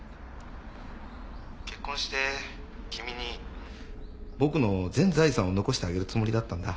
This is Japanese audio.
結婚して君に僕の全財産を残してあげるつもりだったんだ。